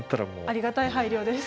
ありがたい配慮です。